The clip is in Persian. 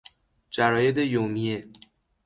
جراید یومیه